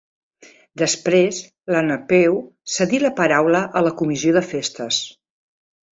Després, la Napeu cedí la paraula a la comissió de festes.